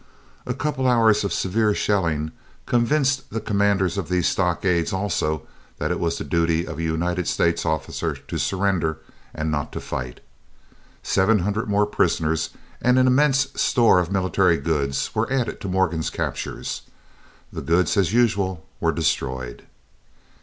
A couple of hours of severe shelling convinced the commanders of these stockades also that it was the duty of a United States officer to surrender, and not to fight. Seven hundred more prisoners and an immense store of military goods were added to Morgan's captures. The goods, as usual, were destroyed.